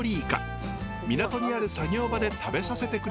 港にある作業場で食べさせてくれることに。